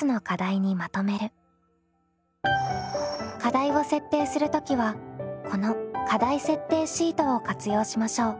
課題を設定する時はこの課題設定シートを活用しましょう。